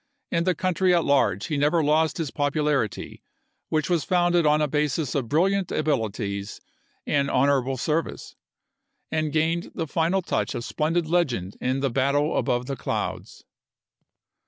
In the country at large he never lost his popularity, which was founded on a basis of brilliant abilities and honorable service, and gained the final touch of splendid legend in the "battle above the clouds."